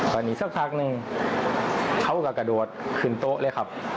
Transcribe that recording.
ตอนนี้สักพักหนึ่งเขาก็กระโดดขึ้นโต๊ะเลยครับ